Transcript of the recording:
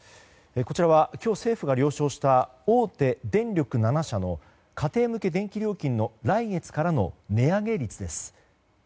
こちらは今日政府が了承した大手電力７社の家庭向け電気料金の来月からの値上げ率です。